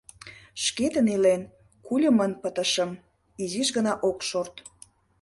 — Шкетын илен, кульымын пытышым, — изиш гына ок шорт.